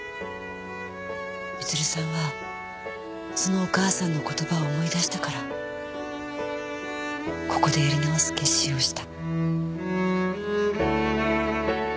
光留さんはそのお母さんの言葉を思い出したからここでやり直す決心をした。